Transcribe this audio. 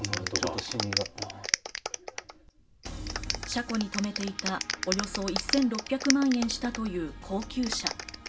車庫に止めていたおよそ１６００万円したという高級車。